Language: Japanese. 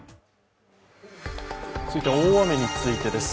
続いては大雨についてです。